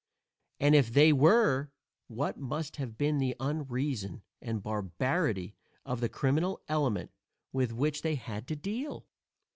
And if they were, what must have been the unreason and barbarity of the criminal element with which they had to deal?